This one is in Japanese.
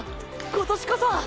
今年こそは！